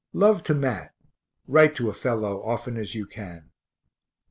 Love to Mat write to a fellow often as you can.